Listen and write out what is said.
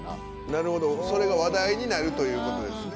なるほどそれが話題になるということですね。